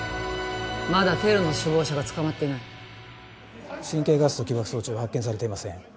まだテロの首謀者が捕まっていない神経ガスと起爆装置は発見されていません